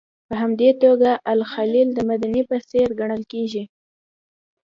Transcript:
په همدې توګه الخلیل د مدینې په څېر ګڼل کېږي.